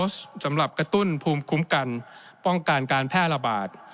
สำหรับกระตุ้นภูมิคุ้มกันป้องกันการแพร่ระบาด